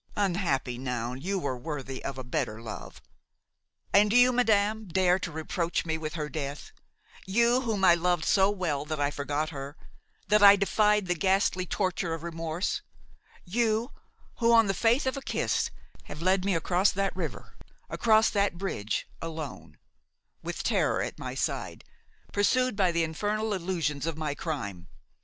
Unhappy Noun! you were worthy of a better love! And you, madame, dare to reproach me with her death; you, whom I loved so well that I forgot her–that I defied the ghastly torture of remorse; you who, on the faith of a kiss, have led me across that river–across that bridge–alone, with terror at my side, pursued by the infernal illusions of my crime!